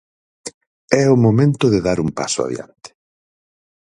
É o momento de dar un paso adiante.